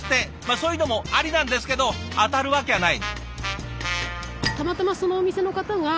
そういうのもありなんですけど当たるわきゃない。